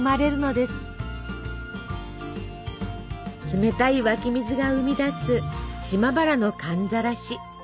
冷たい湧き水が生み出す島原の寒ざらし。